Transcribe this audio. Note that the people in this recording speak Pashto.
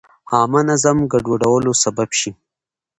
عامه نظم ګډوډولو سبب شي.